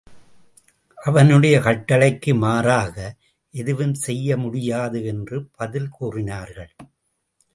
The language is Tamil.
அவனுடைய கட்டளைக்கு மாறாக எதுவும் செய்ய முடியாது என்று பதில் கூறினார்கள்.